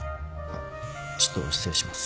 ちょっと失礼します